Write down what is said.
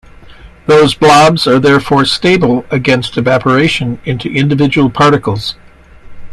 Those blobs are therefore stable against evaporation into individual particles.